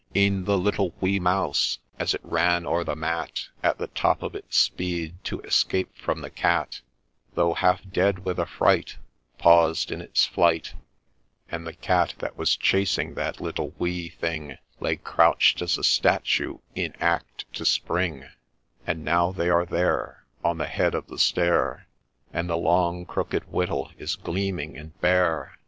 E'en the little wee mouse, as it ran o'er the mat At the top of its speed to escape from the cat, Though half dead with affright, Paused in its flight ; And the cat that was chasing that little wee thing Lay crouch'd as a statue in act to spring 1 And now they are there, On the head of the stair, And the long crooked whittle is gleaming and bare.